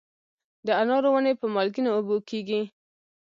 د انارو ونې په مالګینو اوبو کیږي؟